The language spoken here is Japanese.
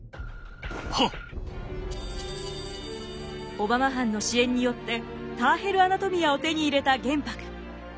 小浜藩の支援によって「ターヘル・アナトミア」を手に入れた玄白。